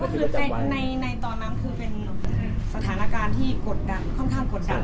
ก็คือในตอนนั้นคือเป็นสถานการณ์ที่กดดันค่อนข้างกดดัน